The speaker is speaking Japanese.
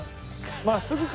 真っすぐか。